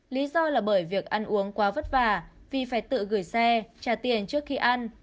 lý do là bởi việc ăn uống quá vất vả vì phải tự gửi xe trả tiền trước khi ăn